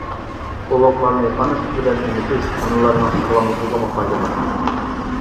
بوۋاقلارنى ئانا سۈتى بىلەن ئېمىتىش ئانىلارنىڭ ساغلاملىقىغىمۇ پايدىلىق.